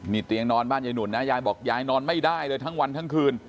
นี่เตียงนอนบ้านยายหนุ่นนะยายบอกยายนอนไม่ได้เลยทั้งวันทั้งคืน